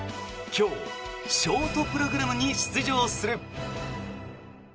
今日、ショートプログラムに出場する。